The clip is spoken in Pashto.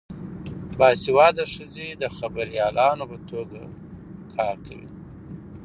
باسواده ښځې د خبریالانو په توګه کار کوي.